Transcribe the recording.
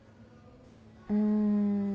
うん。